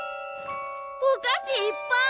お菓子いっぱい！